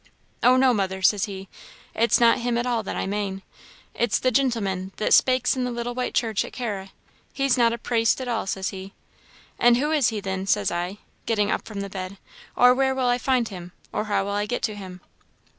'Oh no, mother,' says he, 'it's not him at all that I mane it's the gintleman that spakes in the little white church at Carra he's not a praist at all,' says he. 'An' who is he thin?' says I, getting up from the bed, 'or where will I find him, or how will I get to him?'